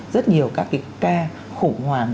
rất nhiều các cái ca khủng hoảng